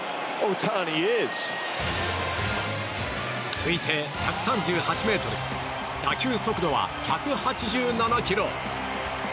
推定１３８ｍ打球速度は１８７キロ。